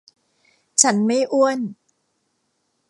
ฉันไม่อ้วน